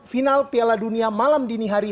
final piala dunia malam dini hari